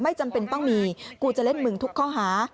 จำเป็นต้องมีกูจะเล่นมึงทุกข้อหา